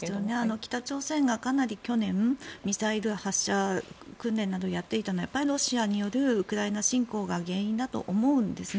北朝鮮がかなり去年ミサイル発射訓練などをやっていたのはロシアによるウクライナ侵攻が原因だと思うんですね。